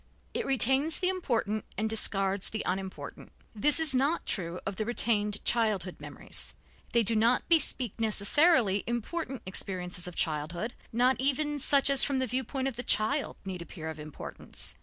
It retains the important and discards the unimportant. This is not true of the retained childhood memories. They do not bespeak necessarily important experiences of childhood, not even such as from the viewpoint of the child need appear of importance.